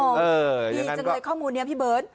ดีจังเลยข้อมูลนี้พี่เบิร์ต